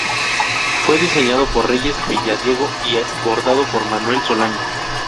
Fue diseñado por Reyes Villadiego y bordado por Manuel Solano.